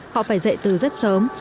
họ phải dậy từ rất sớm